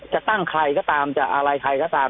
จะตั้งใครก็ตามจะอะไรใครก็ตาม